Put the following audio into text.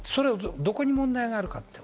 どこに問題があるか。